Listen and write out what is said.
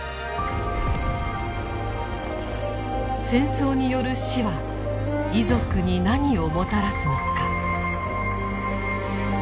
「戦争による死」は遺族に何をもたらすのか。